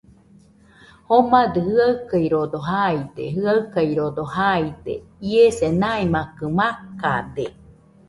Jomadɨ jɨaɨkaɨrodo jaide, jaɨkaɨrodo jaide. Iese maimakɨ makade.